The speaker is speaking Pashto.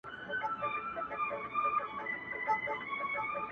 يو يې خوب يو يې خوراك يو يې آرام وو٫